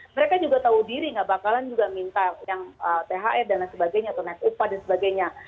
mereka juga tahu diri tidak bakalan juga minta yang thr dan sebagainya atau nesupa dan sebagainya